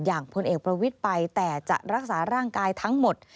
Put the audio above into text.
พลเอกประวิทย์ไปแต่จะรักษาร่างกายทั้งหมด